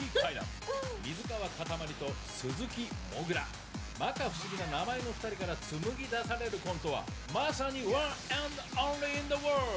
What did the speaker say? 「水川かたまりと鈴木もぐらまか不思議な名前の２人から紡ぎ出されるコントはまさにワンアンドオンリーインザワールド。